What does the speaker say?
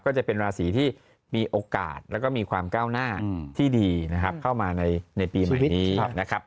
ก็จะเป็นราศีที่มีโอกาสแล้วก็มีความก้าวหน้าที่ดีนะครับเข้ามาในปีใหม่นี้นะครับ